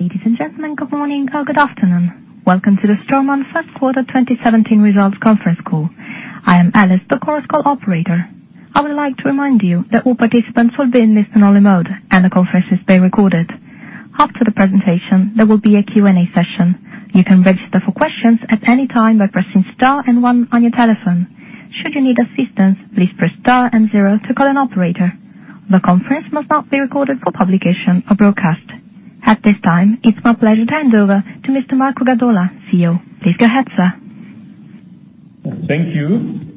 Ladies and gentlemen, good morning or good afternoon. Welcome to the Straumann first quarter 2017 results conference call. I am Alice, the conference call operator. I would like to remind you that all participants will be in listen-only mode, and the conference is being recorded. After the presentation, there will be a Q&A session. You can register for questions at any time by pressing star and one on your telephone. Should you need assistance, please press star and zero to call an operator. The conference must not be recorded for publication or broadcast. At this time, it's my pleasure to hand over to Mr. Marco Gadola, CEO. Please go ahead, sir. Thank you.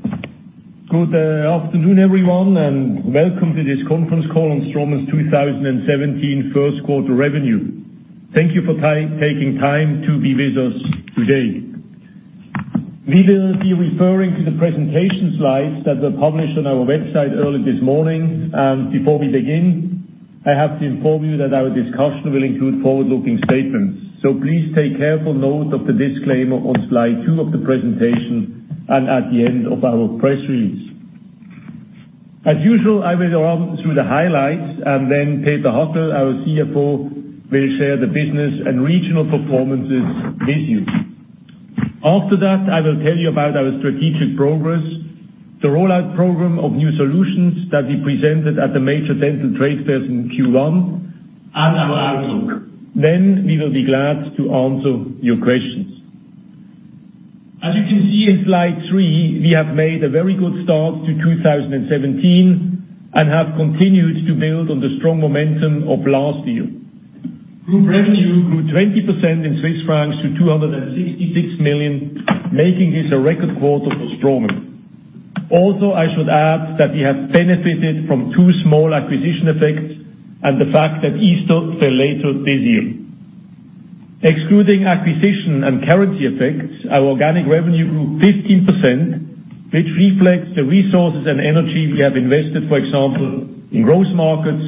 Good afternoon, everyone, and welcome to this conference call on Straumann's 2017 first quarter revenue. Thank you for taking time to be with us today. We will be referring to the presentation slides that were published on our website early this morning. Before we begin, I have to inform you that our discussion will include forward-looking statements. Please take careful note of the disclaimer on slide two of the presentation and at the end of our press release. As usual, I will run through the highlights and Peter Hacksteiner, our CFO, will share the business and regional performances with you. After that, I will tell you about our strategic progress, the rollout program of new solutions that we presented at the major dental trade fairs in Q1, and our outlook. We will be glad to answer your questions. As you can see in slide three, we have made a very good start to 2017 and have continued to build on the strong momentum of last year. Group revenue grew 20% in CHF to 266 million Swiss francs, making this a record quarter for Straumann. I should add that we have benefited from two small acquisition effects and the fact that Easter fell later this year. Excluding acquisition and currency effects, our organic revenue grew 15%, which reflects the resources and energy we have invested, for example, in growth markets,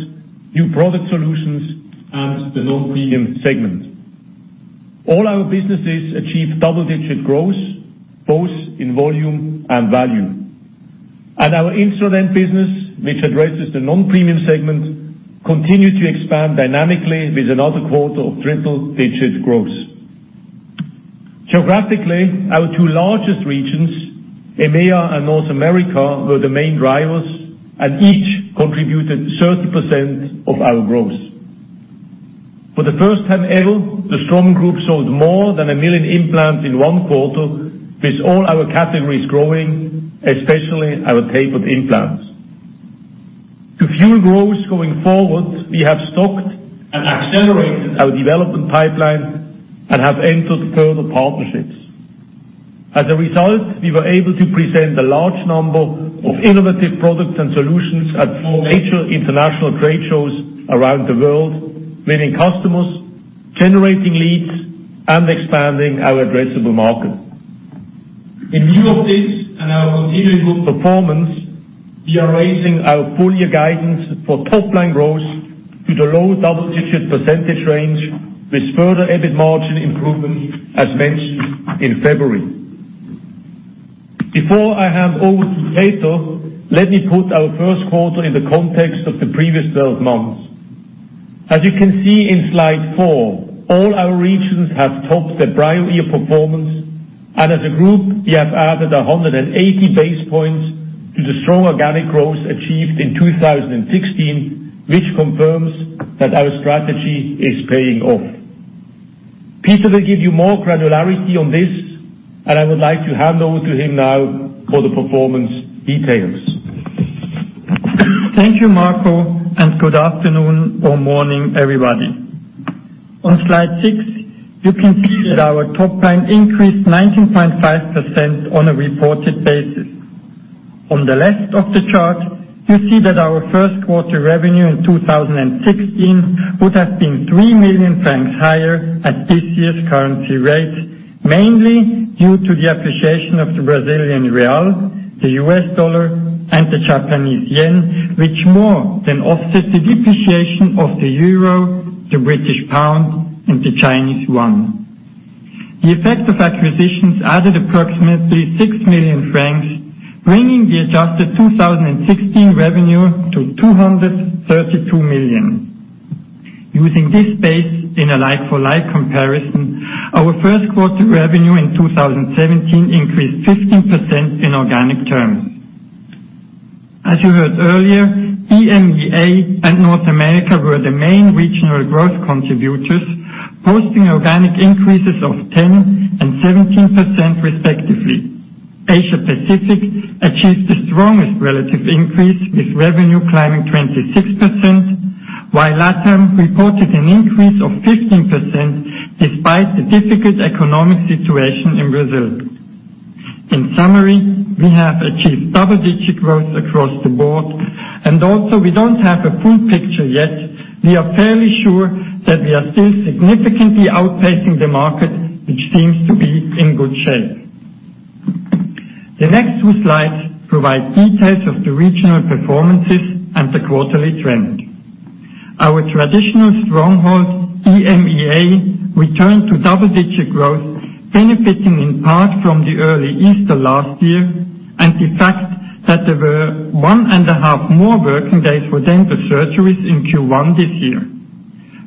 new product solutions, and the non-premium segment. All our businesses achieved double-digit growth, both in volume and value. Our instrument business, which addresses the non-premium segment, continued to expand dynamically with another quarter of triple-digit growth. Geographically, our two largest regions, EMEA and North America, were the main drivers and each contributed 30% of our growth. For the first time ever, the Straumann Group sold more than a million implants in one quarter, with all our categories growing, especially our tapered implants. To fuel growth going forward, we have stocked and accelerated our development pipeline and have entered further partnerships. As a result, we were able to present a large number of innovative products and solutions at major international trade shows around the world, meeting customers, generating leads, and expanding our addressable market. In view of this and our continuing good performance, we are raising our full-year guidance for top-line growth to the low double-digit percentage range with further EBIT margin improvement, as mentioned in February. Before I hand over to Peter, let me put our first quarter in the context of the previous 12 months. As you can see in slide four, all our regions have topped their prior year performance. As a group, we have added 180 basis points to the strong organic growth achieved in 2016, which confirms that our strategy is paying off. Peter will give you more granularity on this. I would like to hand over to him now for the performance details. Thank you, Marco. Good afternoon or morning, everybody. On slide six, you can see that our top line increased 19.5% on a reported basis. On the left of the chart, you see that our first quarter revenue in 2016 would have been 3 million francs higher at this year's currency rate, mainly due to the appreciation of the Brazilian real, the US dollar, and the Japanese yen, which more than offset the depreciation of the euro, the British pound, and the Chinese yuan. The effect of acquisitions added approximately 6 million francs, bringing the adjusted 2016 revenue to 232 million. Using this base in a like-for-like comparison, our first quarter revenue in 2017 increased 15% in organic terms. As you heard earlier, EMEA and North America were the main regional growth contributors, posting organic increases of 10% and 17%, respectively. Asia Pacific achieved the strongest relative increase, with revenue climbing 26%, while LATAM reported an increase of 15%, despite the difficult economic situation in Brazil. In summary, we have achieved double-digit growth across the board. Although we don't have a full picture yet, we are fairly sure that we are still significantly outpacing the market, which seems to be in good shape. The next two slides provide details of the regional performances and the quarterly trend. Our traditional stronghold, EMEA, returned to double-digit growth, benefiting in part from the early Easter last year and the fact that there were one and a half more working days for dental surgeries in Q1 this year.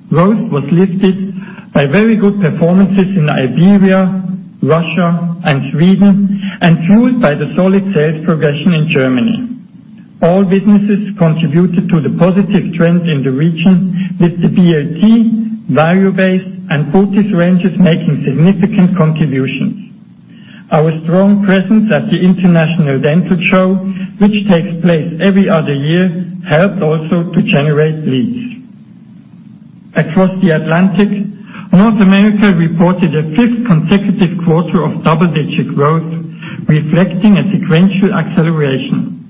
Growth was lifted by very good performances in Iberia, Russia, and Sweden. Fueled by the solid sales progression in Germany. All businesses contributed to the positive trend in the region with the BLT, value-based, and botiss ranges making significant contributions. Our strong presence at the International Dental Show, which takes place every other year, helped also to generate leads. Across the Atlantic, North America reported a fifth consecutive quarter of double-digit growth, reflecting a sequential acceleration.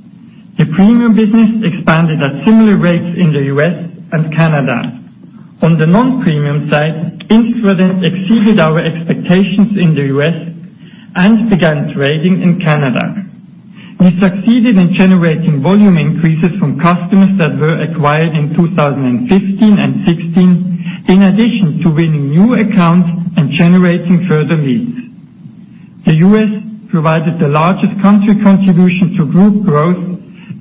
The premium business expanded at similar rates in the U.S. and Canada. On the non-premium side, Instradent exceeded our expectations in the U.S. and began trading in Canada. We succeeded in generating volume increases from customers that were acquired in 2015 and 2016, in addition to winning new accounts and generating further leads. The U.S. provided the largest country contribution to group growth,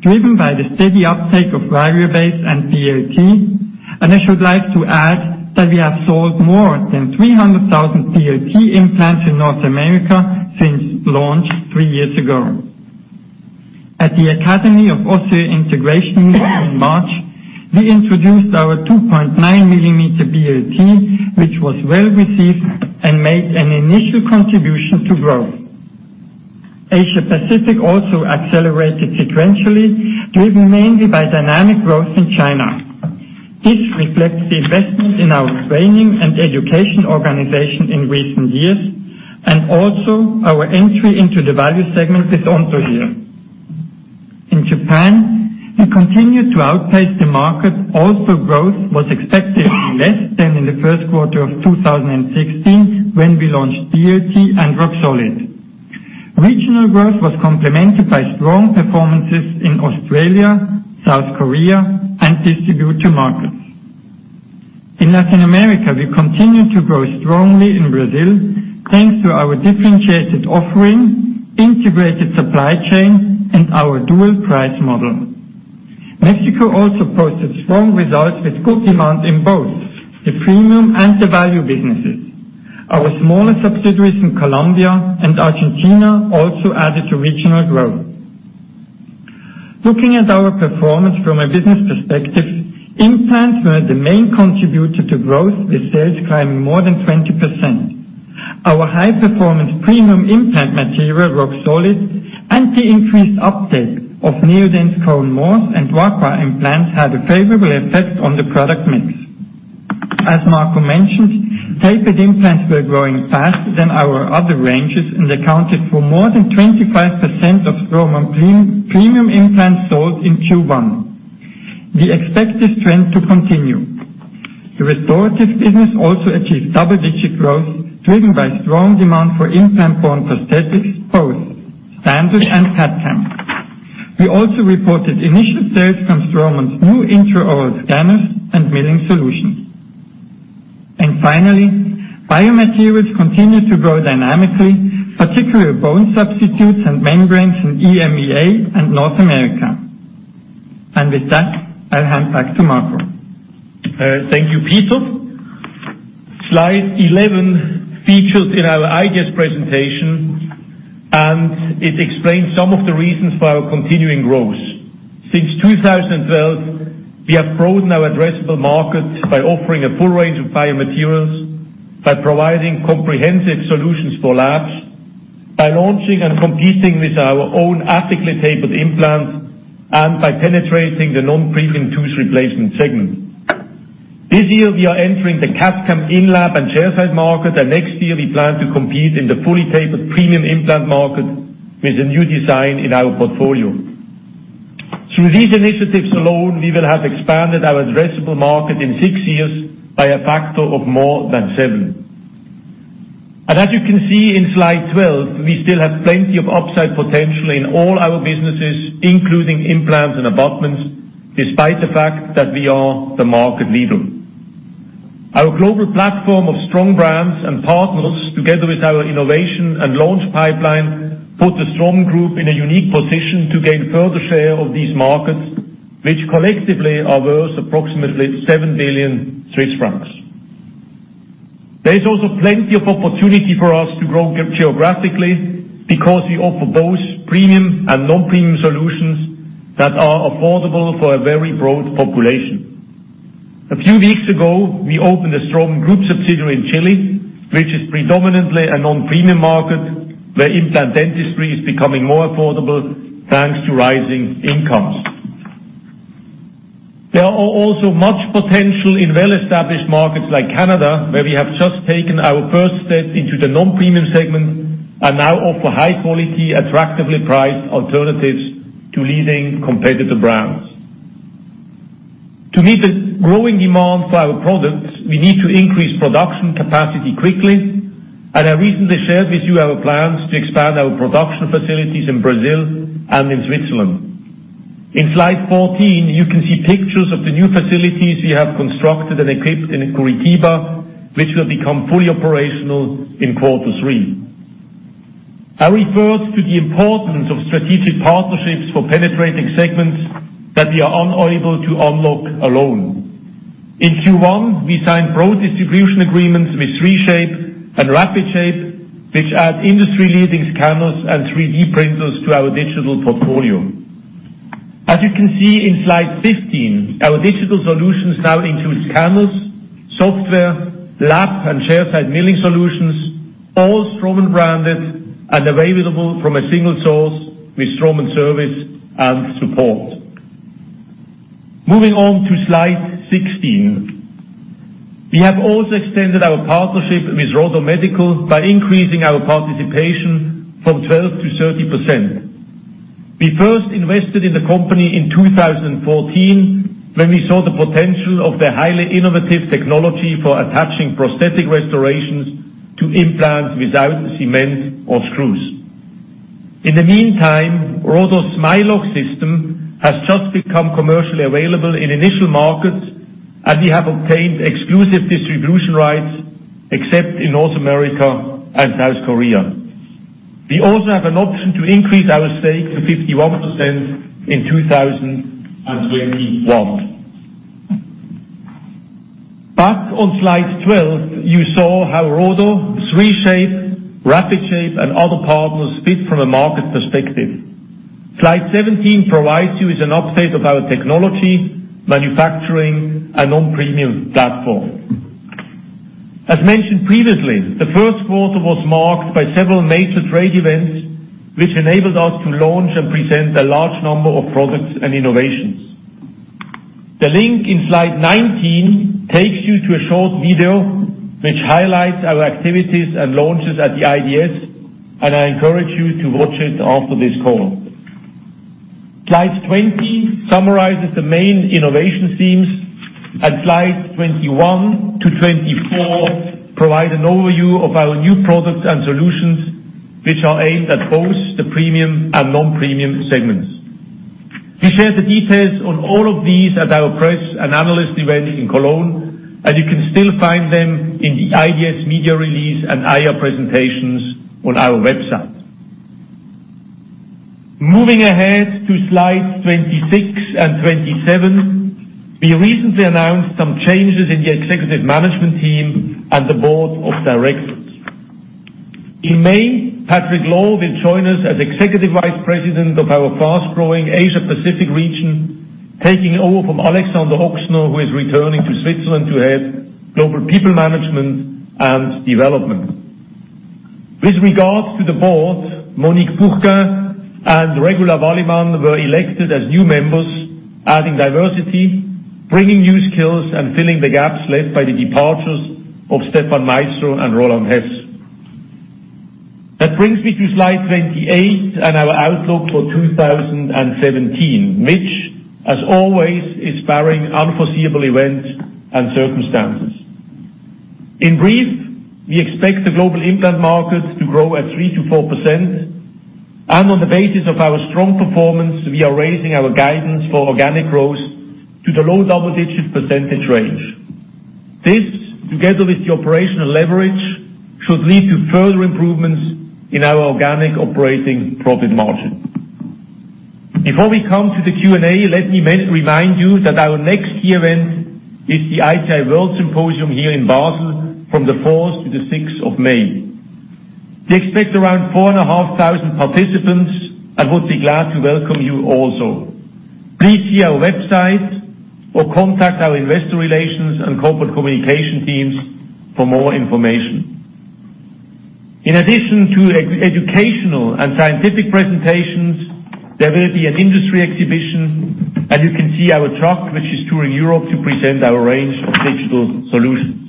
driven by the steady uptake of value-based and BLT. I should like to add that we have sold more than 300,000 BLT implants in North America since launch three years ago. At the Academy of Osseointegration in March, we introduced our 2.9-millimeter BLT, which was well-received and made an initial contribution to growth. Asia-Pacific also accelerated sequentially, driven mainly by dynamic growth in China. This reflects the investment in our training and education organization in recent years, also our entry into the value segment with Anthogyr here. In Japan, we continue to outpace the market, although growth was expected less than in the first quarter of 2016 when we launched BLT and Roxolid. Regional growth was complemented by strong performances in Australia, South Korea, and distributor markets. In Latin America, we continue to grow strongly in Brazil thanks to our differentiated offering, integrated supply chain, and our dual price model. Mexico also posted strong results with good demand in both the premium and the value businesses. Our smaller subsidiaries in Colombia and Argentina also added to regional growth. Looking at our performance from a business perspective, implants were the main contributor to growth, with sales climbing more than 20%. Our high-performance premium implant material, Roxolid, and the increased uptake of Neodent Cone Morse and Acqua implants had a favorable effect on the product mix. As Marco mentioned, tapered implants were growing faster than our other ranges and accounted for more than 25% of premium implants sold in Q1. We expect this trend to continue. The restorative business also achieved double-digit growth, driven by strong demand for implant-born prosthetics, both standard and CAD/CAM. We also reported initial sales from Straumann's new intraoral scanners and milling solutions. Finally, biomaterials continue to grow dynamically, particularly bone substitutes and membranes in EMEA and North America. With that, I hand back to Marco. Thank you, Peter. Slide 11 features in our IDS presentation. It explains some of the reasons for our continuing growth. Since 2012, we have broadened our addressable markets by offering a full range of biomaterials, by providing comprehensive solutions for labs, by launching and competing with our own Neodent tapered implants, and by penetrating the non-premium tooth replacement segment. This year, we are entering the CAD/CAM in-lab and chair-side market. Next year, we plan to compete in the fully tapered premium implant market with a new design in our portfolio. Through these initiatives alone, we will have expanded our addressable market in six years by a factor of more than seven. As you can see in slide 12, we still have plenty of upside potential in all our businesses, including implants and abutments, despite the fact that we are the market leader. Our global platform of strong brands and partners, together with our innovation and launch pipeline, put the Straumann Group in a unique position to gain further share of these markets, which collectively are worth approximately 7 billion Swiss francs. There is also plenty of opportunity for us to grow geographically because we offer both premium and non-premium solutions that are affordable for a very broad population. A few weeks ago, we opened a Straumann Group subsidiary in Chile, which is predominantly a non-premium market, where implant dentistry is becoming more affordable, thanks to rising incomes. There is also much potential in well-established markets like Canada, where we have just taken our first step into the non-premium segment and now offer high quality, attractively priced alternatives to leading competitor brands. To meet the growing demand for our products, we need to increase production capacity quickly. I recently shared with you our plans to expand our production facilities in Brazil and in Switzerland. In slide 14, you can see pictures of the new facilities we have constructed and equipped in Curitiba, which will become fully operational in quarter three. I referred to the importance of strategic partnerships for penetrating segments that we are unable to unlock alone. In Q1, we signed broad distribution agreements with 3Shape and Rapid Shape, which add industry-leading scanners and 3D printers to our digital portfolio. As you can see in slide 15, our digital solutions now includes scanners, software, lab, and chairside milling solutions, all Straumann branded and available from a single source with Straumann service and support. Moving on to slide 16. We have also extended our partnership with RODO Medical by increasing our participation from 12% to 30%. We first invested in the company in 2014, when we saw the potential of their highly innovative technology for attaching prosthetic restorations to implants without cement or screws. In the meantime, RODO's Smileloc system has just become commercially available in initial markets. We have obtained exclusive distribution rights, except in North America and South Korea. We also have an option to increase our stake to 51% in 2021. Back on slide 12, you saw how RODO, 3Shape, Rapid Shape, and other partners fit from a market perspective. Slide 17 provides you with an update of our technology, manufacturing, and on-premise platform. As mentioned previously, the first quarter was marked by several major trade events, which enabled us to launch and present a large number of products and innovations. The link in slide 19 takes you to a short video which highlights our activities and launches at the IDS. I encourage you to watch it after this call. Slide 20 summarizes the main innovation themes. Slides 21 to 24 provide an overview of our new products and solutions, which are aimed at both the premium and non-premium segments. We shared the details on all of these at our press and analyst event in Cologne. You can still find them in the IDS media release and IR presentations on our website. Moving ahead to slides 26 and 27. We recently announced some changes in the Executive Management Team and the Board of Directors. In May, Patrick Loh will join us as Executive Vice President of our fast-growing Asia Pacific region, taking over from Alexander Ochsner, who is returning to Switzerland to head Global People Management and Development. With regards to the board, Monique Bourquin and Regula Wallimann were elected as new members, adding diversity, bringing new skills, and filling the gaps left by the departures of Stefan Meister and Roland Hess. That brings me to slide 28 and our outlook for 2017, which, as always, is barring unforeseeable events and circumstances. In brief, we expect the global implant market to grow at 3%-4%, and on the basis of our strong performance, we are raising our guidance for organic growth to the low double-digit percentage range. This, together with the operational leverage, should lead to further improvements in our organic operating profit margin. Before we come to the Q&A, let me remind you that our next event is the ITI World Symposium here in Basel from the 4th to the 6th of May. We expect around 4,500 participants and would be glad to welcome you also. Please see our website or contact our investor relations and corporate communication teams for more information. In addition to educational and scientific presentations, there will be an industry exhibition, and you can see our truck, which is touring Europe to present our range of digital solutions.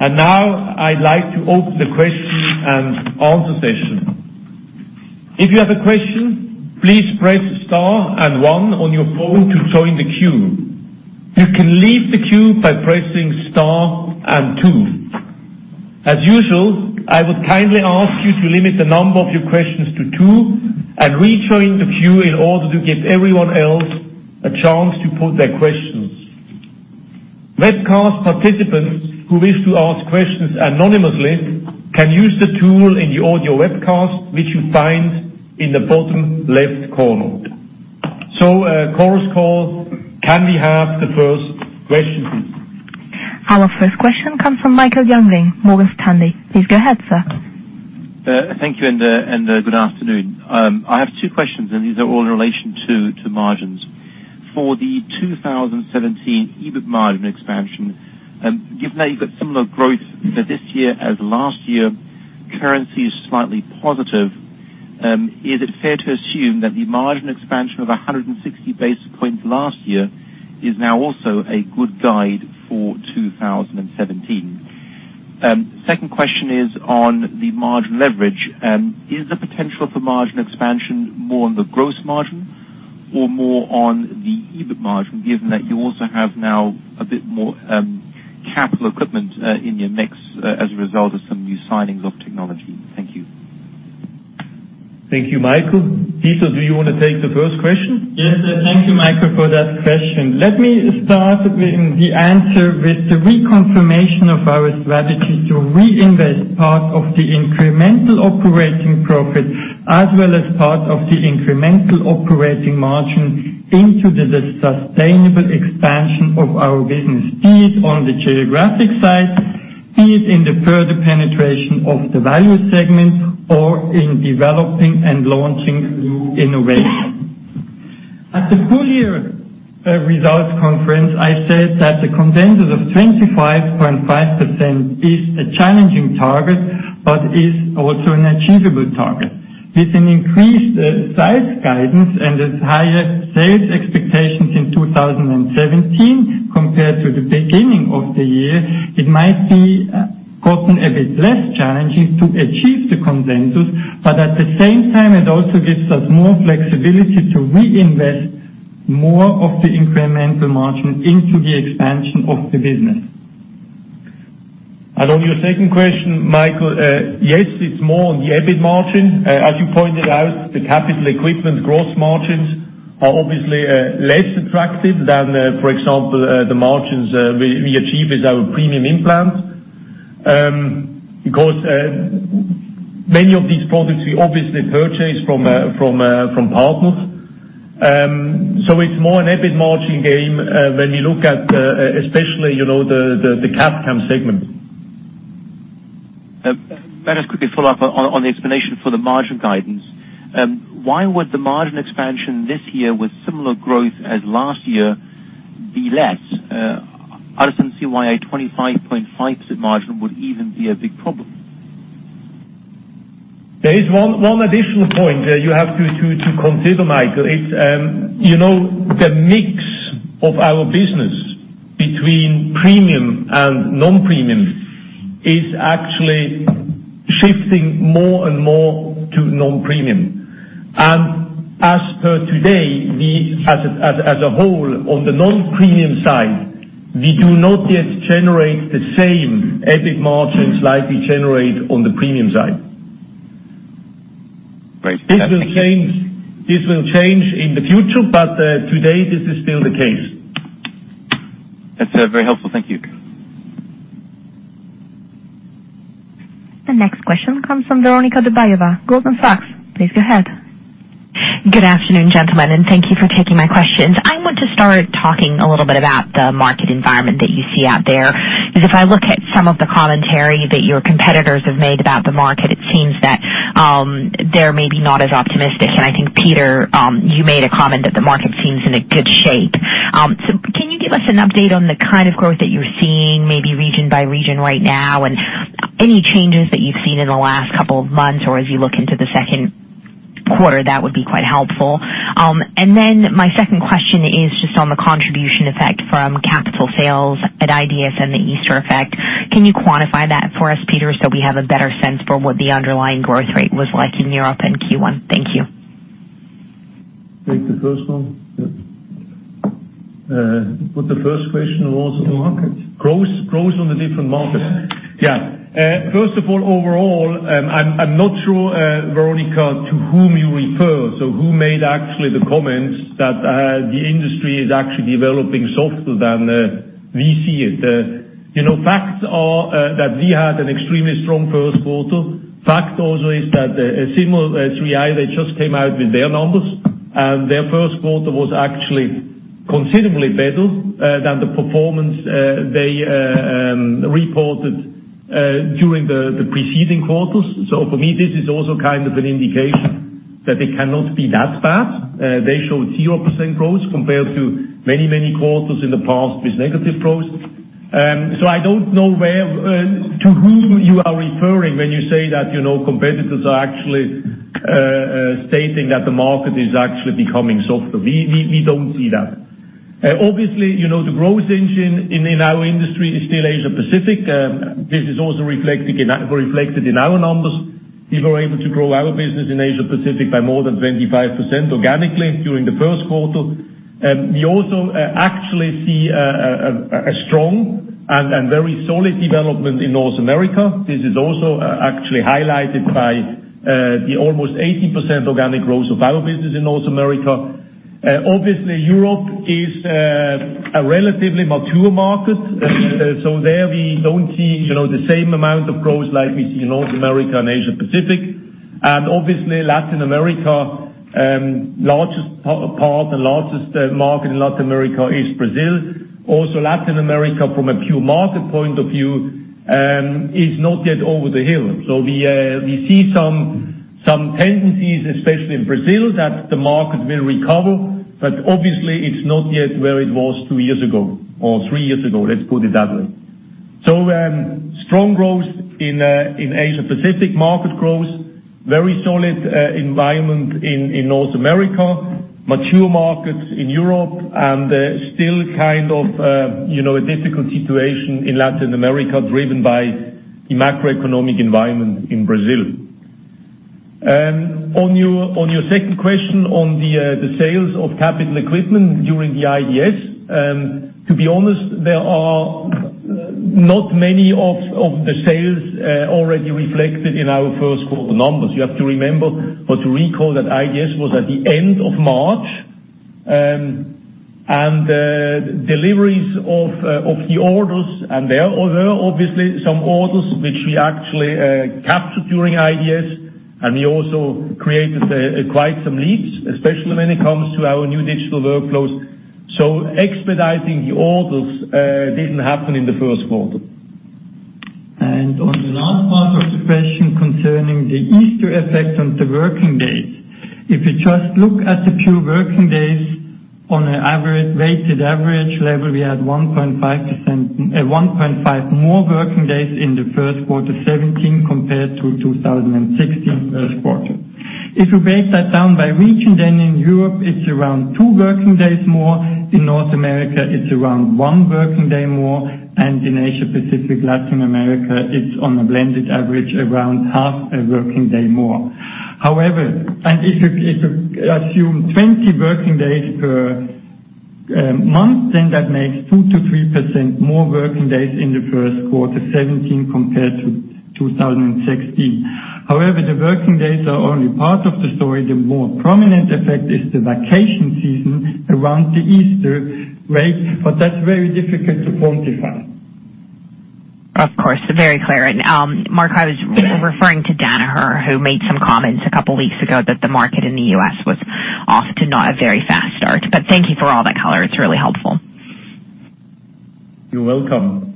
Now I'd like to open the question and answer session. If you have a question, please press star and one on your phone to join the queue. You can leave the queue by pressing star and two. As usual, I would kindly ask you to limit the number of your questions to two and rejoin the queue in order to give everyone else a chance to pose their questions. Webcast participants who wish to ask questions anonymously can use the tool in the audio webcast, which you find in the bottom left corner. Chorus Call, can we have the first question, please? Our first question comes from Michael Jüngling, Morgan Stanley. Please go ahead, sir. Thank you, and good afternoon. I have two questions, and these are all in relation to margins. For the 2017 EBIT margin expansion, given that you've got similar growth for this year as last year, currency is slightly positive, is it fair to assume that the margin expansion of 160 basis points last year is now also a good guide for 2017? Second question is on the margin leverage. Is the potential for margin expansion more on the gross margin or more on the EBIT margin, given that you also have now a bit more capital equipment in your mix as a result of some new signings of technology? Thank you. Thank you, Michael. Peter, do you want to take the first question? Yes. Thank you, Michael, for that question. Let me start the answer with the reconfirmation of our strategy to reinvest part of the incremental operating profit, as well as part of the incremental operating margin, into the sustainable expansion of our business. Be it on the geographic side, be it in the further penetration of the value segment, or in developing and launching new innovations. At the full year results conference, I said that the consensus of 25.5% is a challenging target, is also an achievable target. With an increased size guidance and its higher sales expectations in 2017 compared to the beginning of the year, it might be gotten a bit less challenging to achieve the consensus, at the same time, it also gives us more flexibility to reinvest more of the incremental margin into the expansion of the business. On your second question, Michael, yes, it's more on the EBIT margin. As you pointed out, the capital equipment gross margins are obviously less attractive than, for example, the margins we achieve with our premium implants. Many of these products we obviously purchase from partners. It's more an EBIT margin game when we look at, especially, the CAD/CAM segment. May I just quickly follow up on the explanation for the margin guidance. Why would the margin expansion this year, with similar growth as last year, be less? I just don't see why a 25.5% margin would even be a big problem. There is one additional point there you have to consider, Michael. The mix of our business between premium and non-premium is actually shifting more and more to non-premium. As per today, we as a whole, on the non-premium side, we do not yet generate the same EBIT margins like we generate on the premium side. Great. This will change in the future, today this is still the case. That's very helpful. Thank you. The next question comes from Veronika Dubajova, Goldman Sachs. Please go ahead. Good afternoon, gentlemen, and thank you for taking my questions. I want to start talking a little bit about the market environment that you see out there. If I look at some of the commentary that your competitors have made about the market, it seems that they're maybe not as optimistic. I think, Peter, you made a comment that the market seems in a good shape. Can you give us an update on the kind of growth that you're seeing, maybe region by region right now, and any changes that you've seen in the last couple of months, or as you look into the second quarter, that would be quite helpful. My second question is just on the contribution effect from capital sales at IDS and the Easter effect. Can you quantify that for us, Peter, so we have a better sense for what the underlying growth rate was like in Europe in Q1? Thank you. Take the first one? Yes. What the first question was? The market. Growth on the different markets. First of all, overall, I'm not sure, Veronika, to whom you refer. Who made actually the comments that the industry is actually developing softer than we see it. Facts are that we had an extremely strong first quarter. Fact also is that Biomet 3i, they just came out with their numbers, and their first quarter was actually considerably better than the performance they reported during the preceding quarters. For me, this is also kind of an indication that it cannot be that bad. They showed 0% growth compared to many quarters in the past with negative growth. I don't know to whom you are referring when you say that competitors are actually stating that the market is actually becoming softer. We don't see that. The growth engine in our industry is still Asia-Pacific. This is also reflected in our numbers. We were able to grow our business in Asia-Pacific by more than 25% organically during the first quarter. We also actually see a strong and very solid development in North America. This is also actually highlighted by the almost 18% organic growth of our business in North America. Europe is a relatively mature market, so there we don't see the same amount of growth like we see in North America and Asia-Pacific. Obviously Latin America, largest part and largest market in Latin America is Brazil. Latin America from a pure market point of view is not yet over the hill. We see some tendencies, especially in Brazil, that the market will recover, but obviously it's not yet where it was two years ago or three years ago, let's put it that way. Strong growth in Asia-Pacific, market growth, very solid environment in North America, mature markets in Europe, and still kind of a difficult situation in Latin America, driven by the macroeconomic environment in Brazil. On your second question on the sales of capital equipment during the IDS, to be honest, there are not many of the sales already reflected in our first quarter numbers. You have to remember or to recall that IDS was at the end of March. Deliveries of the orders, and there are obviously some orders which we actually captured during IDS, and we also created quite some leads, especially when it comes to our new digital workflows. Expediting the orders didn't happen in the first quarter. On the last part of the question concerning the Easter effect on the working days, if you just look at the pure working days on a weighted average level, we had 1.5 more working days in the first quarter 2017 compared to 2016 first quarter. If you break that down by region, then in Europe it's around two working days more, in North America it's around one working day more, and in Asia-Pacific, Latin America, it's on a blended average around half a working day more. If you assume 20 working days per month, then that makes 2%-3% more working days in the first quarter 2017 compared to 2016. However, the working days are only part of the story. The more prominent effect is the vacation season around Easter, but that's very difficult to quantify. Of course. Very clear. Marco, I was referring to Danaher, who made some comments a couple of weeks ago that the market in the U.S. was off to not a very fast start. Thank you for all that color. It's really helpful. You're welcome.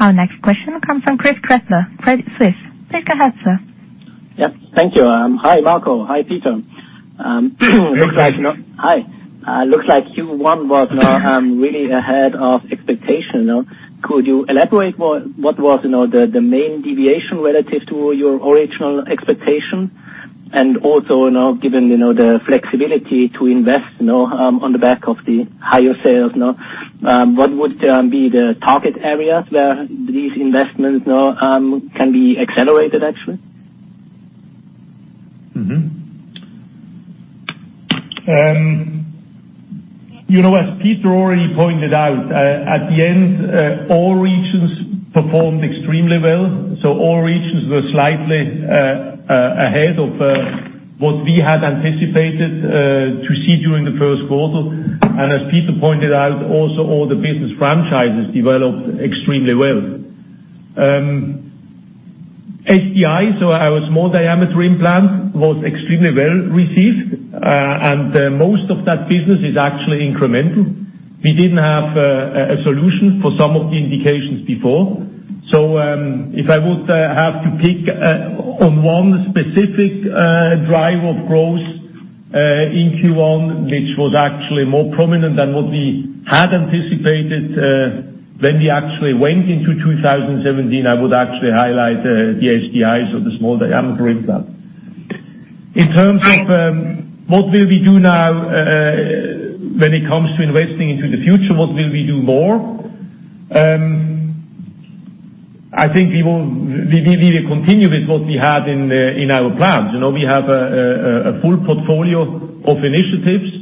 Our next question comes from Christoph Gretler, Credit Suisse. Please go ahead, sir. Thank you. Hi, Marco. Hi, Peter. Hi, Chris. Hi. Looks like Q1 was now really ahead of expectation. Could you elaborate what was the main deviation relative to your original expectation? Also, now, given the flexibility to invest on the back of the higher sales, what would be the target areas where these investments now can be accelerated, actually? As Peter already pointed out, at the end, all regions performed extremely well. All regions were slightly ahead of what we had anticipated to see during the first quarter. As Peter pointed out, also, all the business franchises developed extremely well. SDI, so our small diameter implant, was extremely well received, and most of that business is actually incremental. We didn't have a solution for some of the indications before. If I would have to pick on one specific driver of growth in Q1, which was actually more prominent than what we had anticipated when we actually went into 2017, I would actually highlight the SDIs, or the small diameter implants. In terms of what will we do now when it comes to investing into the future, what will we do more? I think we will continue with what we had in our plans. We have a full portfolio of initiatives.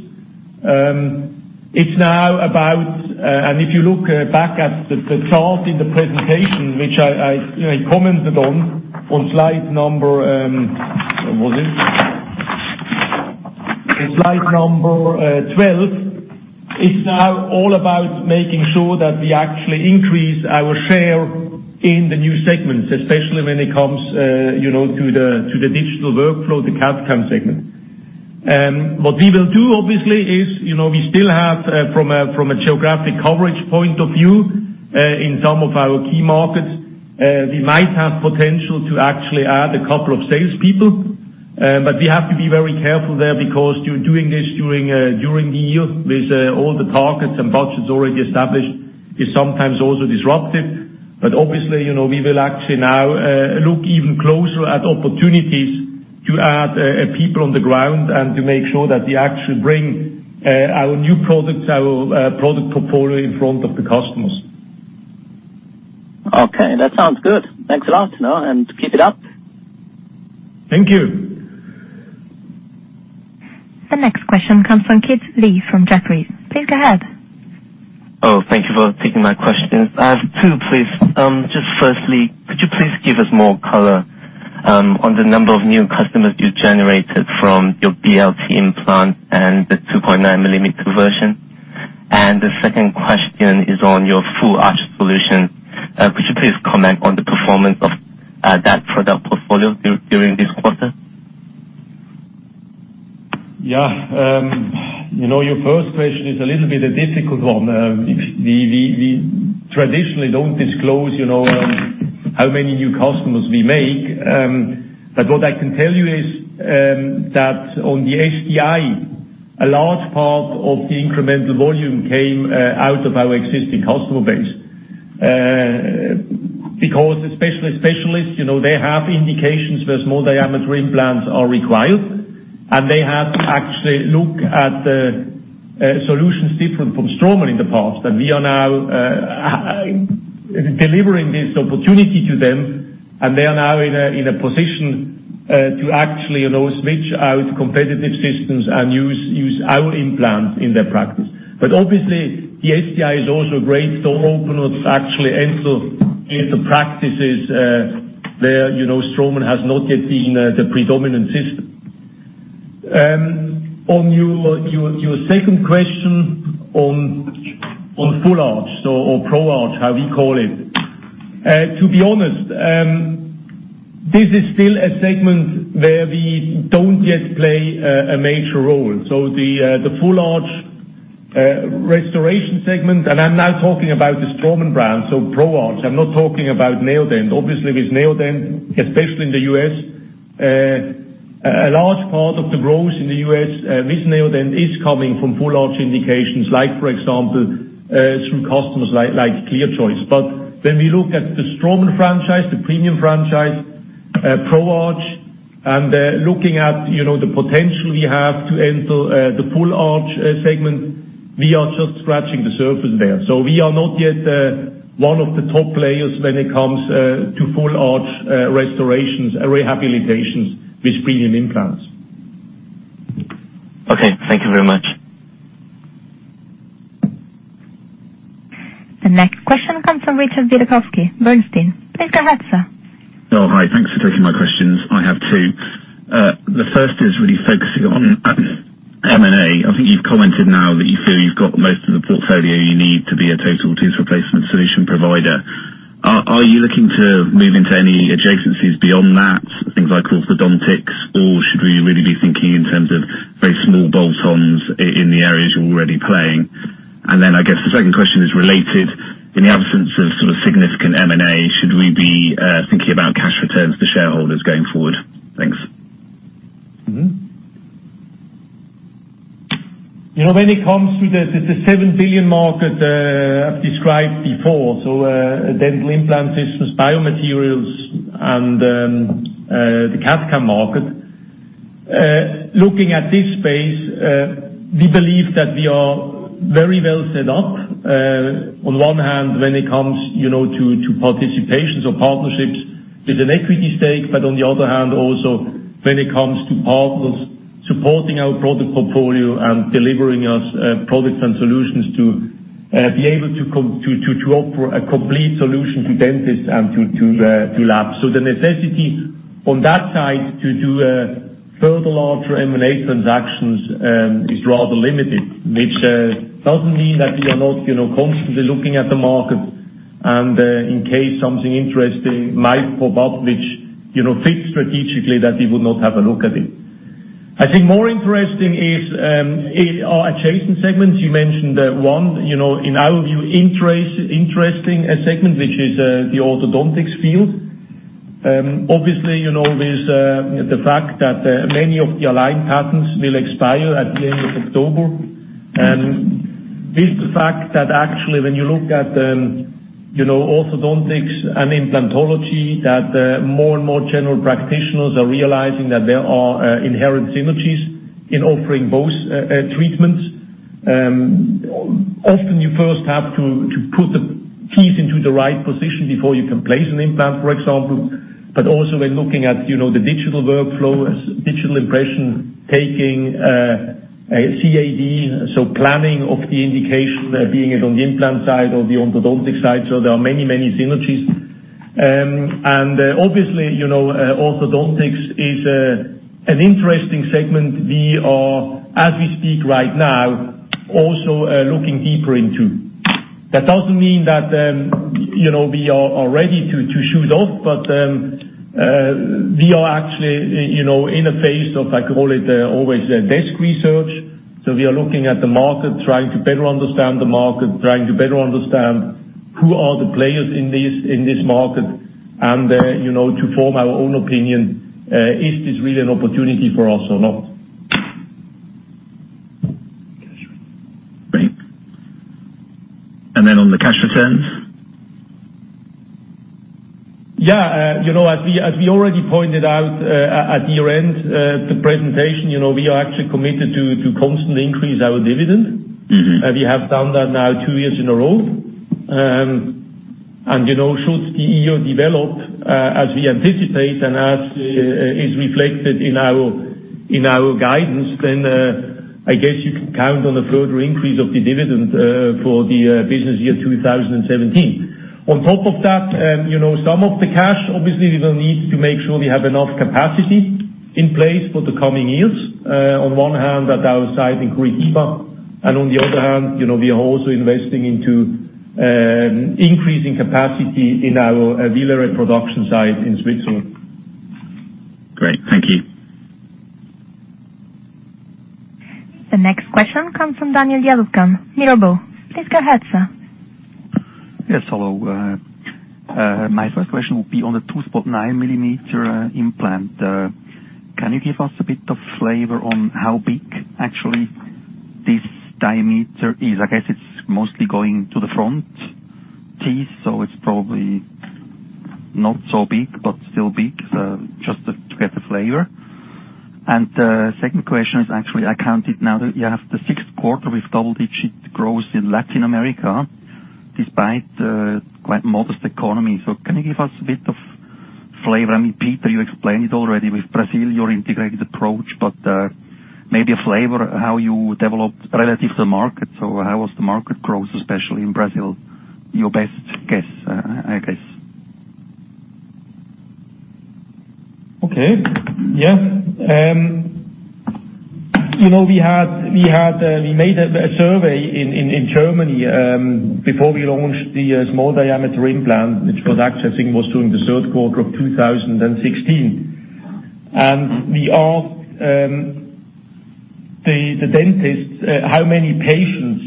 If you look back at the chart in the presentation, which I commented on, slide number 12. It's now all about making sure that we actually increase our share in the new segments, especially when it comes to the digital workflow, the CAD/CAM segment. What we will do, obviously, is we still have, from a geographic coverage point of view, in some of our key markets, we might have potential to actually add a couple of salespeople. We have to be very careful there, because you're doing this during the year with all the targets and budgets already established, is sometimes also disruptive. Obviously, we will actually now look even closer at opportunities to add people on the ground and to make sure that we actually bring our new products, our product portfolio in front of the customers. Okay. That sounds good. Thanks a lot. Keep it up. Thank you. The next question comes from Kit Lee from Jefferies. Please go ahead. Thank you for taking my questions. I have two, please. Just firstly, could you please give us more color on the number of new customers you generated from your BLT implant and the 2.9-millimeter version? The second question is on your full-arch solution. Could you please comment on the performance of that product portfolio during this quarter? Yeah. Your first question is a little bit of a difficult one. We traditionally don't disclose how many new customers we make. What I can tell you is that on the SDI, a large part of the incremental volume came out of our existing customer base. Especially specialists, they have indications where small diameter implants are required, and they had to actually look at solutions different from Straumann in the past. We are now delivering this opportunity to them, and they are now in a position to actually switch out competitive systems and use our implants in their practice. Obviously, the SDI is also a great door opener to actually enter into practices where Straumann has not yet been the predominant system. On your second question on full-arch or ProArch, how we call it. To be honest, this is still a segment where we don't yet play a major role. The full-arch restoration segment, and I'm now talking about the Straumann brand, so ProArch, I'm not talking about Neodent. Obviously, with Neodent, especially in the U.S., a large part of the growth in the U.S. with Neodent is coming from full-arch indications, like for example, through customers like ClearChoice. When we look at the Straumann franchise, the premium franchise, ProArch, and looking at the potential we have to enter the full-arch segment, we are just scratching the surface there. We are not yet one of the top players when it comes to full-arch restorations, or rehabilitations with premium implants. Okay. Thank you very much. The next question comes from Richard Felton, Bernstein. Please go ahead, sir. Oh, hi. Thanks for taking my questions. I have two. The first is really focusing on M&A. I think you've commented now that you feel you've got most of the portfolio you need to be a total teeth replacement solution provider. Are you looking to move into any adjacencies beyond that, things like orthodontics, or should we really be thinking in terms of very small bolt-ons in the areas you're already playing? The second question is related. In the absence of significant M&A, should we be thinking about cash returns to shareholders going forward? Thanks. When it comes to the 7 billion market I've described before, dental implant systems, biomaterials and the CAD/CAM market. Looking at this space, we believe that we are very well set up. On one hand, when it comes to participations or partnerships with an equity stake, on the other hand, also when it comes to partners supporting our product portfolio and delivering us products and solutions to be able to offer a complete solution to dentists and to labs. The necessity on that side to do further larger M&A transactions is rather limited, which doesn't mean that we are not constantly looking at the market, and in case something interesting might pop up, which fits strategically, that we would not have a look at it. I think more interesting is our adjacent segments. You mentioned one, in our view, interesting segment, which is the orthodontics field. Obviously, there's the fact that many of the Align patents will expire at the end of October. With the fact that actually when you look at orthodontics and implantology, that more and more general practitioners are realizing that there are inherent synergies in offering both treatments. Often you first have to put the teeth into the right position before you can place an implant, for example, but also when looking at the digital workflows, digital impression, taking CAD, planning of the indication, be it on the implant side or the orthodontic side. There are many synergies. Obviously, orthodontics is an interesting segment we are, as we speak right now, also looking deeper into. That doesn't mean that we are ready to shoot off. We are actually in a phase of, I call it always a desk research. We are looking at the market, trying to better understand the market, trying to better understand who are the players in this market, and to form our own opinion, is this really an opportunity for us or not? Great. Then on the cash returns? As we already pointed out at year-end, the presentation, we are actually committed to constantly increase our dividend. We have done that now two years in a row. Should the year develop as we anticipate and as is reflected in our guidance, then I guess you can count on a further increase of the dividend for the business year 2017. On top of that, some of the cash, obviously, we will need to make sure we have enough capacity in place for the coming years. On one hand, at our site in Curitiba, and on the other hand, we are also investing into increasing capacity in our Villeret production site in Switzerland. Great. Thank you. The next question comes from Daniel Jelovcan, Mirabaud. Please go ahead, sir. Yes, hello. My first question will be on the 2.9 millimeter implant. Can you give us a bit of flavor on how big actually this diameter is? I guess it's mostly going to the front teeth, so it's probably not so big, but still big. Just to get the flavor. The second question is actually, I counted now that you have the sixth quarter with double-digit growth in Latin America, despite quite modest economy. Can you give us a bit of flavor? I mean, Peter, you explained it already with Brazil, your integrated approach, but maybe a flavor how you developed relative to the market. How was the market growth, especially in Brazil? Your best guess. Okay. Yeah. We made a survey in Germany, before we launched the small diameter implant, which was actually, I think, was during the third quarter of 2016. We asked the dentists how many patients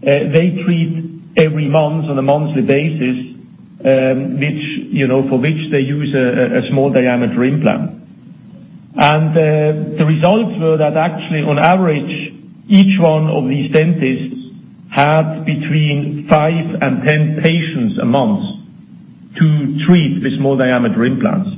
they treat every month on a monthly basis, for which they use a small diameter implant. The results were that actually, on average, each one of these dentists had between five and 10 patients a month to treat with small diameter implants.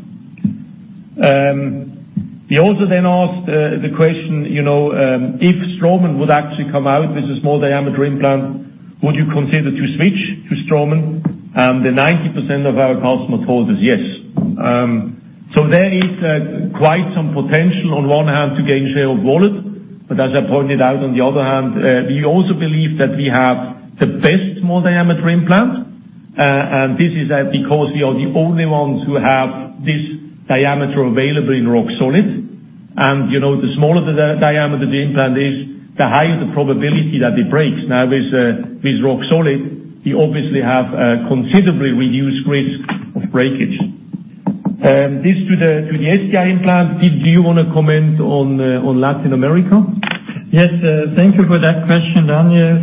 We also asked the question, if Straumann would actually come out with a small diameter implant, would you consider to switch to Straumann? 90% of our customers told us yes. There is quite some potential on one hand to gain share of wallet. As I pointed out, on the other hand, we also believe that we have the best small diameter implant. This is that because we are the only ones who have this diameter available in Roxolid. The smaller the diameter the implant is, the higher the probability that it breaks. With Roxolid, we obviously have considerably reduced risk of breakage. This to the SDI implant. Did you want to comment on Latin America? Yes. Thank you for that question, Daniel.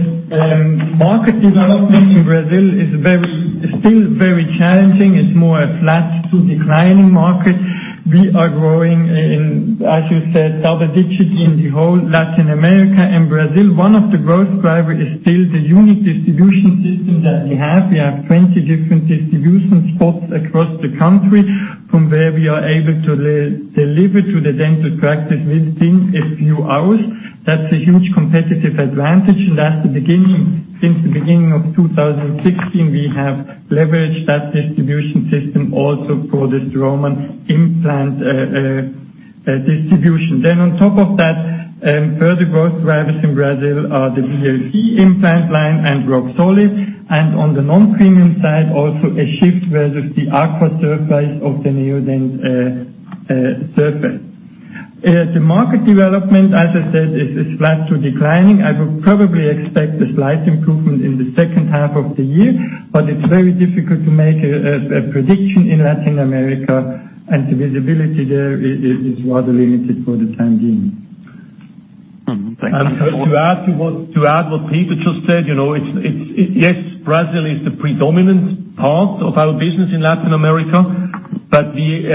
Market development in Brazil is still very challenging. It's more a flat to declining market. We are growing in, as you said, double digits in the whole Latin America and Brazil. One of the growth driver is still the unique distribution system that we have. We have 20 different distribution spots across the country, from where we are able to deliver to the dental practice within a few hours. That's a huge competitive advantage. Since the beginning of 2016, we have leveraged that distribution system also for the Straumann implant distribution. On top of that, further growth drivers in Brazil are the BLT implant line and Roxolid, and on the non-premium side, also a shift towards the Acqua surface of the Neodent surface. The market development, as I said, is flat to declining. I would probably expect a slight improvement in the second half of the year, it's very difficult to make a prediction in Latin America, and the visibility there is rather limited for the time being. Thank you. To add what Peter just said, yes, Brazil is the predominant part of our business in Latin America. We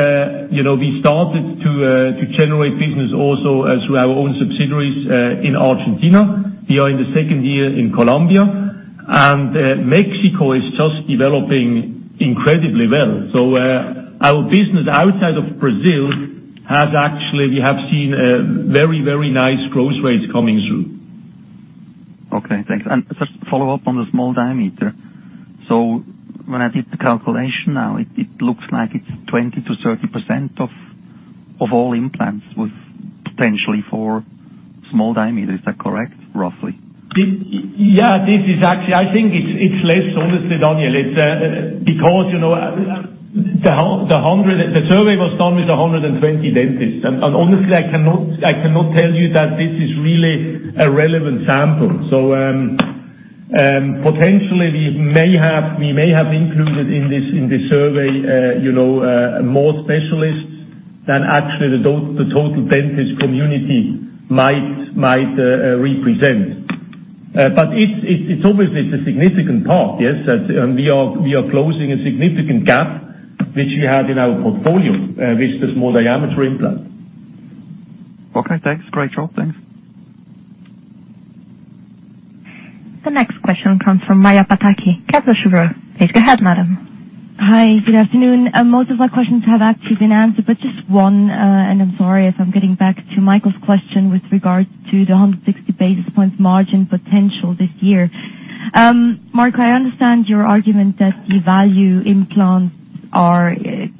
started to generate business also through our own subsidiaries in Argentina. We are in the second year in Colombia. Mexico is just developing incredibly well. Our business outside of Brazil has actually, we have seen very nice growth rates coming through. Okay, thanks. Just to follow up on the small diameter. When I did the calculation, now it looks like it's 20%-30% of all implants was potentially for small diameter. Is that correct, roughly? Yeah. I think it's less, honestly, Daniel. The survey was done with 120 dentists. Honestly, I cannot tell you that this is really a relevant sample. Potentially we may have included in this survey more specialists than actually the total dentist community might represent. It's obviously it's a significant part, yes. We are closing a significant gap which we had in our portfolio, with the small diameter implant. Okay, thanks. Great job. Thanks. The next question comes from Maja Pataki, Kepler Cheuvreux. Please go ahead, madam. Hi, good afternoon. Most of my questions have actually been answered, just one, and I'm sorry if I'm getting back to Michael's question with regards to the 160 basis points margin potential this year. Marco, I understand your argument that the value implants are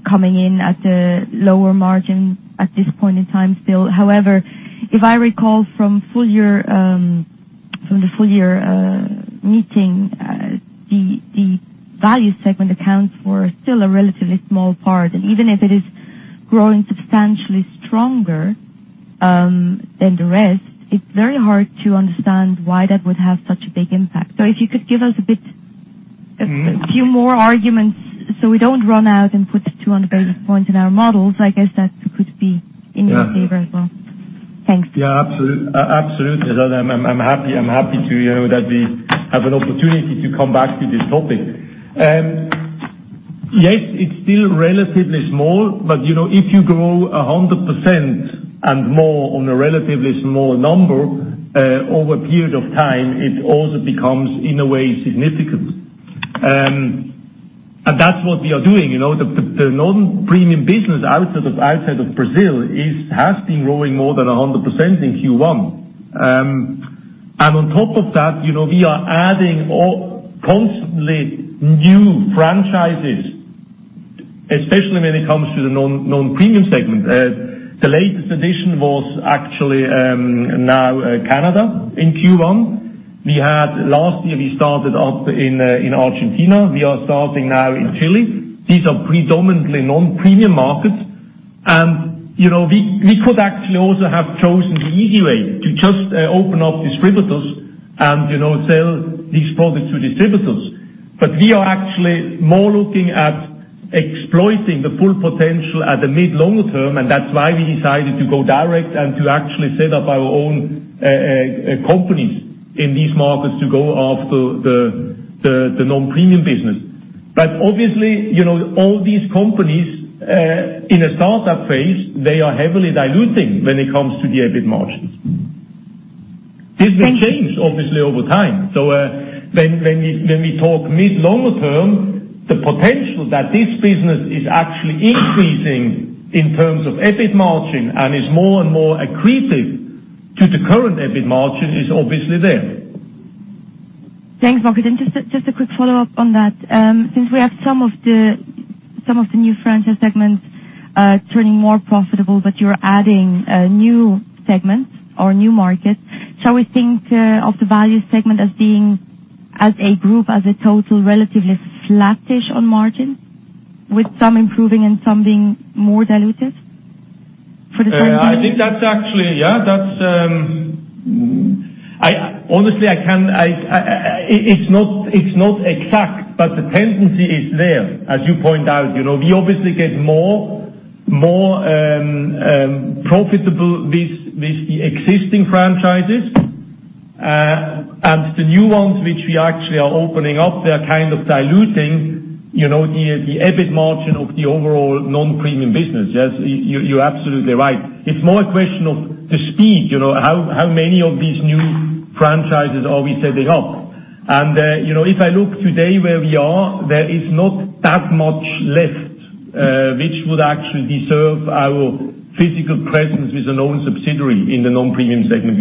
coming in at a lower margin at this point in time still. However, if I recall from the full year meeting, the value segment accounts were still a relatively small part. Even if it is growing substantially stronger than the rest, it's very hard to understand why that would have such a big impact. If you could give us a bit- a few more arguments so we don't run out and put the 200 basis points in our models, I guess that could be in your favor as well. Thanks. Yeah. Absolutely. I'm happy that we have an opportunity to come back to this topic. Yes, it's still relatively small. If you grow 100% and more on a relatively small number, over a period of time, it also becomes, in a way, significant. That's what we are doing. The non-premium business outside of Brazil has been growing more than 100% in Q1. On top of that, we are adding constantly new franchises. Especially when it comes to the non-premium segment. The latest addition was actually now Canada in Q1. Last year, we started up in Argentina. We are starting now in Chile. These are predominantly non-premium markets. We could actually also have chosen the easy way, to just open up distributors and sell these products to distributors. We are actually more looking at exploiting the full potential at the mid-longer term, and that's why we decided to go direct and to actually set up our own companies in these markets to go after the non-premium business. Obviously, all these companies, in a startup phase, they are heavily diluting when it comes to the EBIT margins. This will change, obviously, over time. When we talk mid-longer term, the potential that this business is actually increasing in terms of EBIT margin and is more and more accretive to the current EBIT margin, is obviously there. Thanks, Marco. Just a quick follow-up on that. Since we have some of the new franchise segments turning more profitable, but you're adding new segments or new markets, shall we think of the value segment as being, as a group, as a total, relatively flattish on margin, with some improving and some being more diluted for the time being? Honestly, it's not exact, but the tendency is there, as you point out. We obviously get more profitable with the existing franchises. The new ones, which we actually are opening up, they're kind of diluting the EBIT margin of the overall non-premium business. Yes, you're absolutely right. It's more a question of the speed, how many of these new franchises are we setting up? If I look today where we are, there is not that much left, which would actually deserve our physical presence with an own subsidiary in the non-premium segment.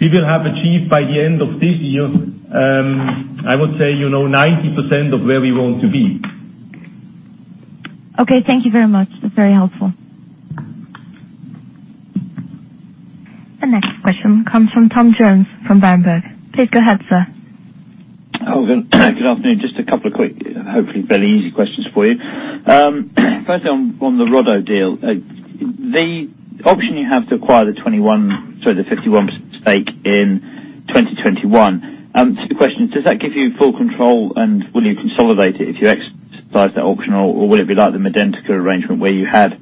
We will have achieved by the end of this year, I would say, 90% of where we want to be. Okay. Thank you very much. That's very helpful. The next question comes from Thomas Jones from Bernstein. Please go ahead, sir. Hi. Good afternoon. Just a couple of quick, hopefully fairly easy questions for you. First on the RODO deal. The option you have to acquire the 51% stake in 2021. Two questions. Does that give you full control, and will you consolidate it if you exercise that option, or will it be like the Medentika arrangement where you had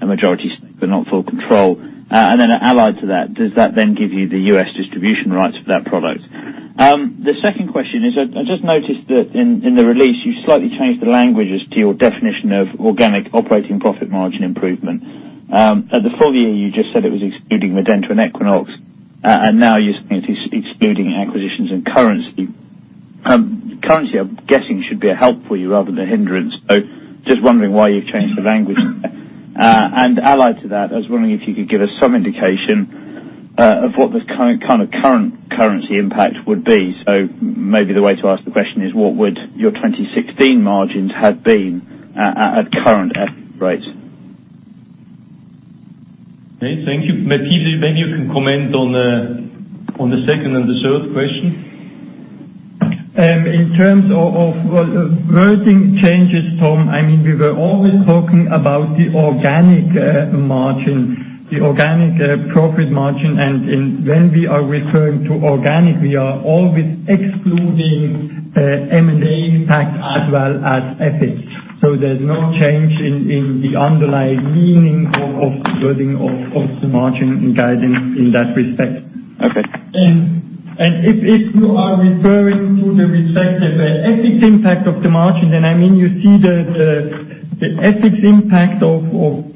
a majority stake but not full control? Allied to that, does that then give you the U.S. distribution rights for that product? The second question is, I just noticed that in the release you slightly changed the language as to your definition of organic operating profit margin improvement. At the full year, you just said it was excluding Medentika and Equinox, and now you're saying it is excluding acquisitions and currency. Currency, I'm guessing, should be a help for you rather than a hindrance. Just wondering why you've changed the language there. Allied to that, I was wondering if you could give us some indication of what the kind of current currency impact would be. Maybe the way to ask the question is, what would your 2016 margins have been at current FX rates? Okay, thank you. Maybe you can comment on the second and the third question. In terms of wording changes, Tom, we were always talking about the organic margin, the organic profit margin. When we are referring to organic, we are always excluding M&A impact as well as FX. There is no change in the underlying meaning of the wording of the margin in guiding in that respect. Okay. If you are referring to the respective FX impact of the margin, you see the FX impact of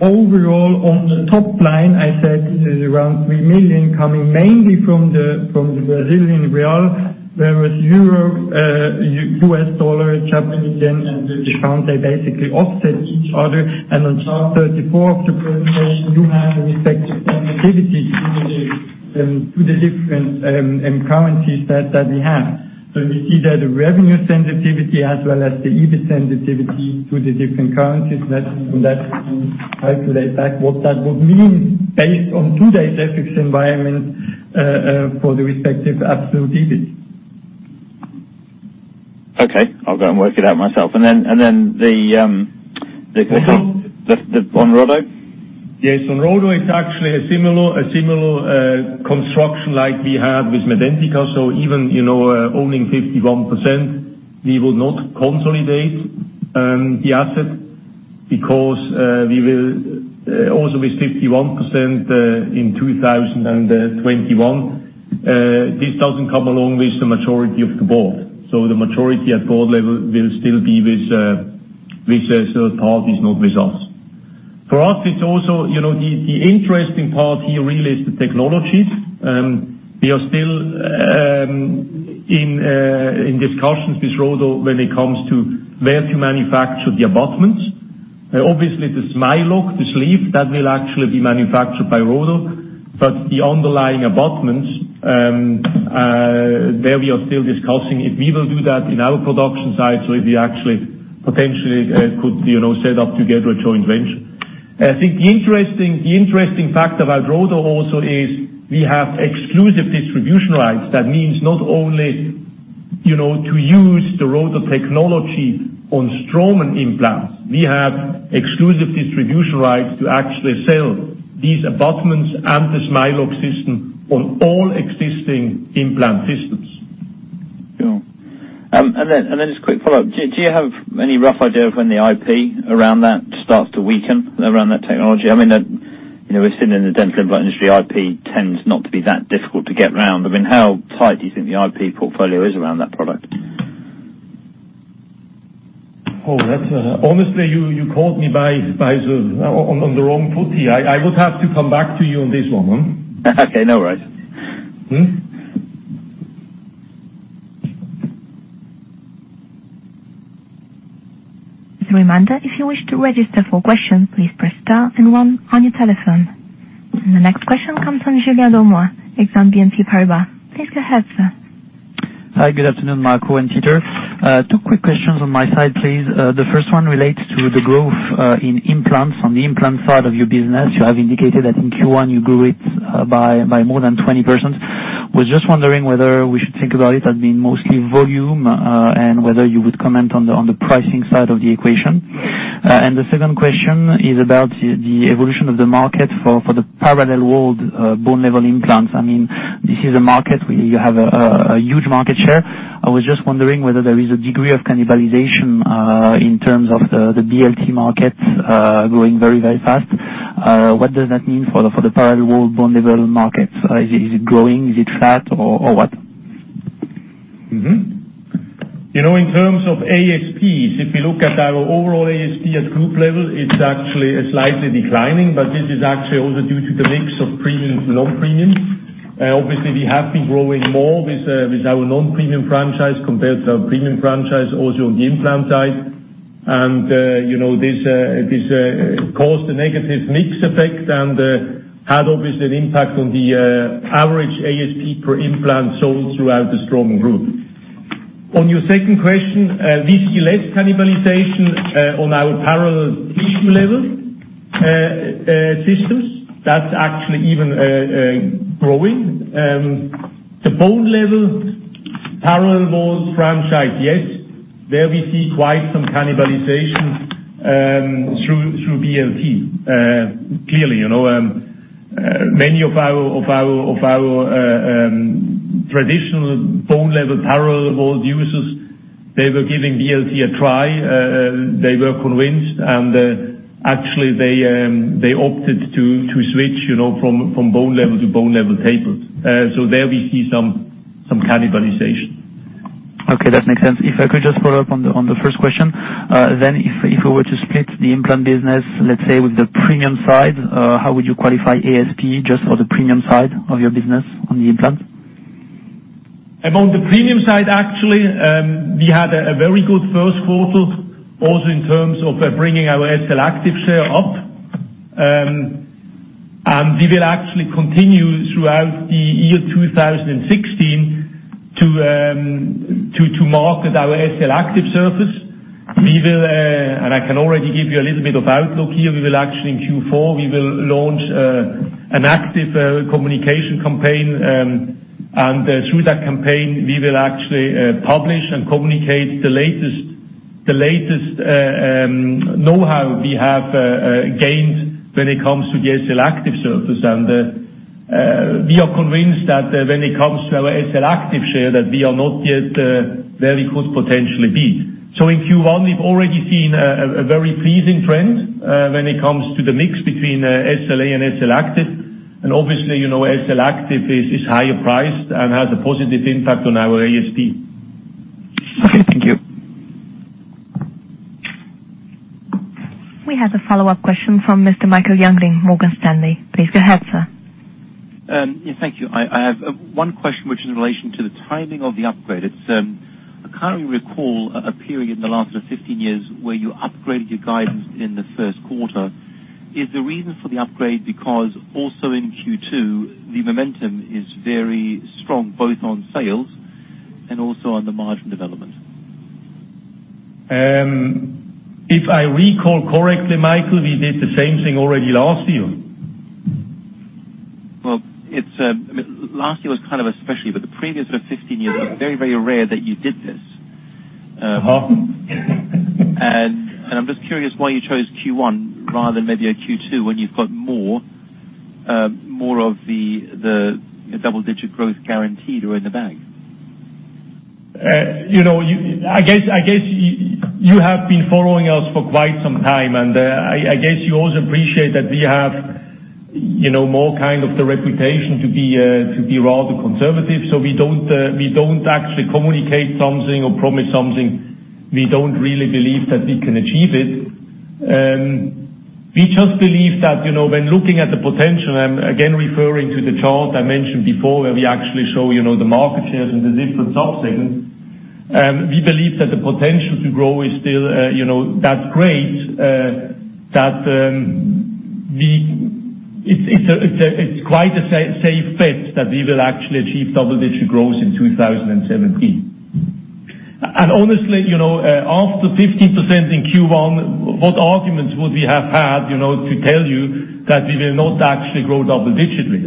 overall on the top line, I said this is around 3 million coming mainly from the Brazilian real, whereas EUR, USD, JPY, and GBP, they basically offset each other. On page 34 of the presentation, you have the respective sensitivities to the different currencies that we have. You see that the revenue sensitivity as well as the EBIT sensitivity to the different currencies that you can calculate back what that would mean based on today's FX environment, for the respective absolute EBIT. Okay. I will go and work it out myself. The- So- the RODO. Yes. On RODO, it is actually a similar construction like we had with Medentika. Even owning 51%, we will not consolidate the asset because we will also, with 51% in 2021, this does not come along with the majority of the board. The majority at board level will still be with the third party, not with us. For us, the interesting part here really is the technologies. We are still in discussions with RODO when it comes to where to manufacture the abutments. Obviously, the Smileloc, the sleeve, that will actually be manufactured by RODO. But the underlying abutments, there we are still discussing if we will do that in our production site, if we actually potentially could set up together a joint venture. I think the interesting fact about RODO also is we have exclusive distribution rights. That means not only to use the RODO technology on Straumann implants, we have exclusive distribution rights to actually sell these abutments and the Smileloc system on all existing implant systems. Sure. Just a quick follow-up. Do you have any rough idea of when the IP around that starts to weaken around that technology? We are sitting in the dental implant industry, IP tends not to be that difficult to get around. But how tight do you think the IP portfolio is around that product? Oh, honestly, you caught me on the wrong foot here. I would have to come back to you on this one. Okay, no worries. As a reminder, if you wish to register for questions, please press star and 1 on your telephone. The next question comes from Julien Dormois, Exane BNP Paribas. Please go ahead, sir. Hi. Good afternoon, Marco and Peter. Two quick questions on my side, please. The first one relates to the growth in implants on the implant side of your business. You have indicated that in Q1 you grew it by more than 20%. Was just wondering whether we should think about it as being mostly volume, and whether you would comment on the pricing side of the equation. The second question is about the evolution of the market for the parallel-walled Bone Level implants. This is a market where you have a huge market share. I was just wondering whether there is a degree of cannibalization in terms of the BLT market growing very, very fast. What does that mean for the parallel-walled Bone Level market? Is it growing? Is it flat or what? In terms of ASPs, if you look at our overall ASP at group level, it's actually slightly declining, but this is actually also due to the mix of premium to non-premium. Obviously, we have been growing more with our non-premium franchise compared to our premium franchise, also on the implant side. This caused a negative mix effect and had obviously an impact on the average ASP per implant sold throughout the Straumann Group. On your second question, we see less cannibalization on our parallel Tissue Level systems. That's actually even growing. The Bone Level, parallel-walled franchise, yes, there we see quite some cannibalization through BLT. Clearly many of our traditional Bone Level parallel-walled users, they were giving BLT a try. They were convinced, and actually they opted to switch from Bone Level to Bone Level Tapered. There we see some cannibalization. Okay, that makes sense. If I could just follow up on the first question, then if we were to split the implant business, let's say with the premium side, how would you qualify ASP just for the premium side of your business on the implant? Among the premium side actually, we had a very good first quarter also in terms of bringing our SLActive share up. We will actually continue throughout the year 2016 to market our SLActive surface. I can already give you a little bit of outlook here. In Q4 we will launch an active communication campaign, and through that campaign we will actually publish and communicate the latest know-how we have gained when it comes to the SLActive surface. We are convinced that when it comes to our SLActive share, that we are not yet where we could potentially be. In Q1 we've already seen a very pleasing trend when it comes to the mix between SLA and SLActive, and obviously SLActive is higher priced and has a positive impact on our ASP. Okay, thank you. We have a follow-up question from Mr. Michael Jüngling, Morgan Stanley. Please go ahead, sir. Yeah, thank you. I have one question which is in relation to the timing of the upgrade. I can't recall a period in the last 15 years where you upgraded your guidance in the first quarter. Is the reason for the upgrade because also in Q2 the momentum is very strong both on sales and also on the margin development? If I recall correctly, Michael, we did the same thing already last year. Well, last year was kind of a specialty, but the previous 15 years it was very, very rare that you did this. I'm just curious why you chose Q1 rather than maybe a Q2 when you've got more of the double-digit growth guaranteed or in the bag. I guess you have been following us for quite some time. I guess you also appreciate that we have more kind of the reputation to be rather conservative. We don't actually communicate something or promise something we don't really believe that we can achieve it. We just believe that when looking at the potential, and again referring to the chart I mentioned before where we actually show the market shares in the different sub-segments, we believe that the potential to grow is still that great that it's quite a safe bet that we will actually achieve double-digit growth in 2017. Honestly after 15% in Q1, what arguments would we have had to tell you that we will not actually grow double-digitally?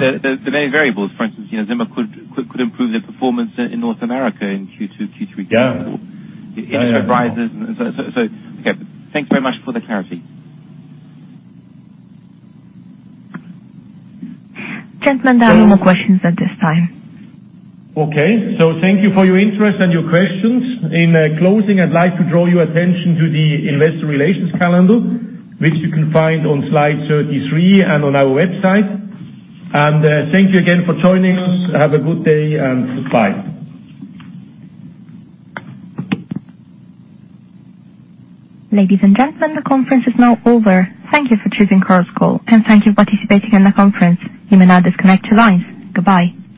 There are many variables. For instance, Zimmer could improve their performance in North America in Q2, Q3. Yeah. The interest rises. Okay. Thanks very much for the clarity. Gentlemen, there are no more questions at this time. Okay. Thank you for your interest and your questions. In closing, I'd like to draw your attention to the investor relations calendar, which you can find on slide 33 and on our website. Thank you again for joining us. Have a good day, and goodbye. Ladies and gentlemen, the conference is now over. Thank you for choosing this call, and thank you for participating in the conference. You may now disconnect your lines. Goodbye.